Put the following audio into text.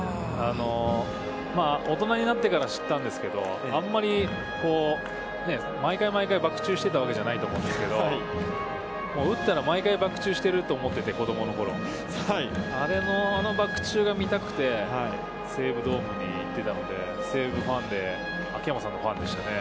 大人になってから知ったんですけど、あんまり毎回毎回バク宙してたわけじゃないと思うんですけど、打ったら毎回バク宙してると思ってて、子供のころ、あれのバク宙が見たくて、西武ドームに行ってたので、西武ファンで秋山さんのファンでしたね。